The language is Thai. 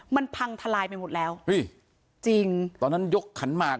มันพังทลายไปหมดแล้วอุ้ยจริงตอนนั้นยกขันหมาก